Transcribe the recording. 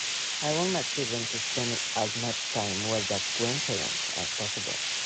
I want my children to spend as much time with their grandparents as possible.